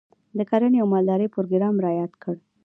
د کرنې او مالدارۍ پروګرام رایاد کړ.